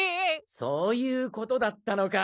・そういうことだったのか。